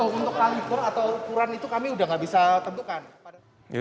oh untuk kaliber atau ukuran itu kami udah gak bisa tentukan